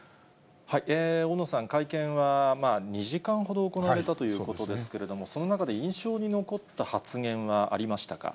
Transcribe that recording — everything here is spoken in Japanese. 大野さん、会見は２時間ほど行われたということですけれども、その中で印象に残った発言はありましたか。